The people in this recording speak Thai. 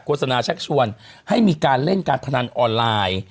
สนาชักชวนให้มีการเล่นการพนันออนไลน์